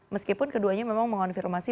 meskipun keduanya memang mengonfirmasi